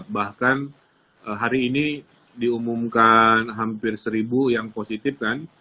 bahkan hari ini diumumkan hampir seribu yang positif kan